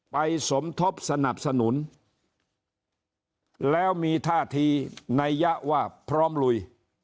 สมทบสนับสนุนแล้วมีท่าทีนัยยะว่าพร้อมลุย